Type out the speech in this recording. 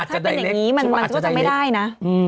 ถ้าเป็นอย่างนี้มันก็จะไม่ได้นะ